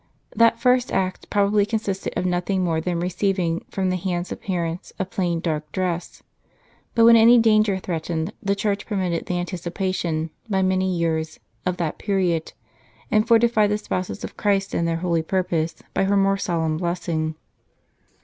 That first act probably consisted of nothing more than receiving fi'om the hands of parents a plain dark dress. But when any dan ger threatened, the Church permitted the anticipation, by many years, of that period, and fortified the spouses of Christ in their holy purpose, by her more solemn blessing.